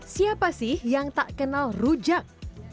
siapa sih yang tak kenal rujak